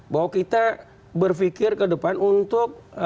bahwa kita berpikir ke depan untuk